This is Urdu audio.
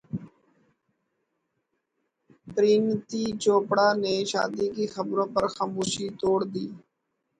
پرینیتی چوپڑا نے شادی کی خبروں پر خاموشی توڑ دی